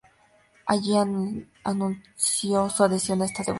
Allí inició su adhesión a esta devoción.